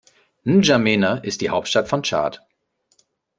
N’Djamena ist die Hauptstadt von Tschad.